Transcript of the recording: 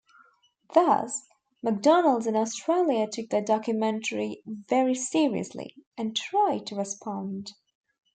Thus, McDonald's in Australia took that documentary very seriously, and tried to respond.